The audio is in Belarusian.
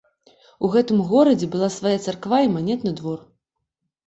У гэтым горадзе была свая царква і манетны двор.